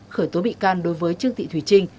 khởi tố bị can đối với chương tị thùy trinh